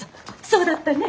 そうだったね。